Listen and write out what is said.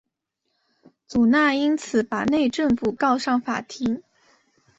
祖纳因此把内政部告上法庭。